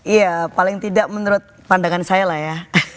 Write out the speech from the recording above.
iya paling tidak menurut pandangan saya